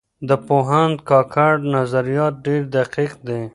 د پوهاند کاکړ نظریات ډېر دقیق دي.